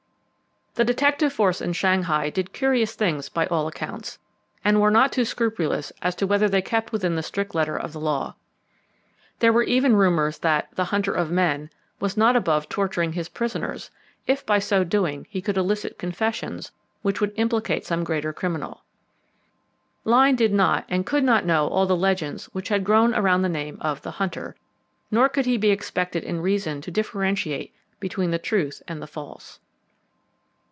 The detective force in Shanghai did curious things by all accounts, and were not too scrupulous as to whether they kept within the strict letter of the law. There were even rumours that "The Hunter of Men" was not above torturing his prisoners, if by so doing he could elicit confessions which could implicate some greater criminal. Lyne did not and could not know all the legends which had grown around the name of "The Hunter" nor could he be expected in reason to differentiate between the truth and the false.